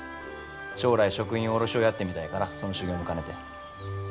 将来食品卸をやってみたいからその修業も兼ねて。